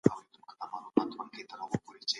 رومال د زلفو مه راوله